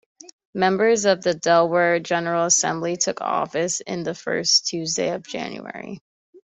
Members of the Delaware General Assembly took office in the first Tuesday of January.